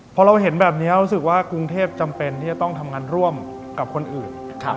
พอเราเห็นแบบนี้รู้สึกว่ากรุงเทพจำเป็นที่จะต้องทำงานร่วมกับคนอื่น